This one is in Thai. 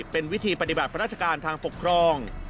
เป็นวิธีปฏิบัติพระราชการทางปกครอง